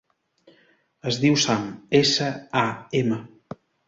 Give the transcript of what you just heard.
Es diu Sam: essa, a, ema.